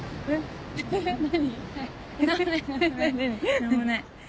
何もない。